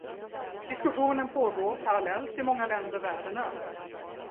Diskussionen pågår parallellt i många länder världen över.